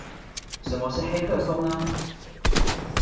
什麼是黑客松呢？